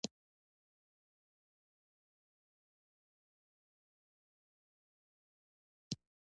استاد د شاګرد وړتیا پېژني او هڅوي یې.